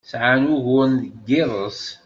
Sɛan uguren deg yiḍes?